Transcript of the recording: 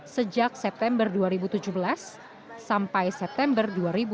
sejak september dua ribu tujuh belas sampai september dua ribu delapan belas